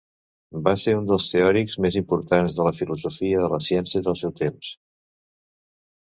Va ser un dels teòrics més importants de filosofia de la ciència del seu temps.